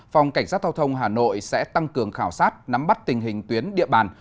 phòng cảnh sát giao thông hà nội sẽ tăng cường khảo sát nắm bắt tình hình tuyến địa bàn